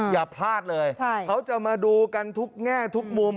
อย่าพลาดเลยเขาจะมาดูกันทุกแง่ทุกมุม